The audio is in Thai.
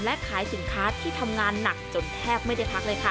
และขายสินค้าที่ทำงานหนักจนแทบไม่ได้พักเลยค่ะ